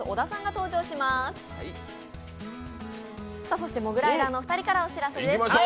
そしてモグライダーのお二人からお知らせです。